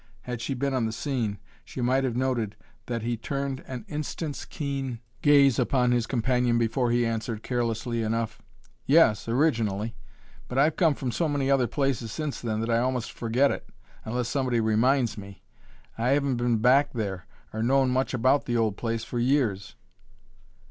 Had she been on the scene, she might have noted that he turned an instant's keen gaze upon his companion before he answered, carelessly enough: "Yes; originally. But I've come from so many other places since then that I almost forget it, unless somebody reminds me. I haven't been back there, or known much about the old place, for years."